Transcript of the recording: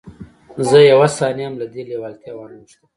زه یوه ثانیه هم له دې لېوالتیا وانه وښتم